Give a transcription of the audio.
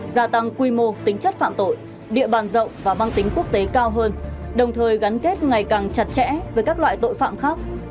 gia tăng quy mô tính chất phạm tội địa bàn rộng và mang tính quốc tế cao hơn đồng thời gắn kết ngày càng chặt chẽ với các loại tội phạm khác